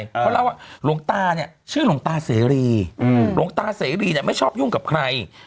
เขาเล่าว่าหลวงตาเนี่ยชื่อหลวงตาเสรีหลวงตาเสรีเนี่ยไม่ชอบยุ่งกับใคร